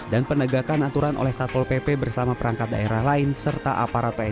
dan penegakan aturan oleh satpol pp bersama perangkat daerah lain serta aparat pni polri